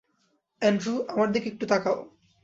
Andrew, আমার দিকে একটু তাকাও।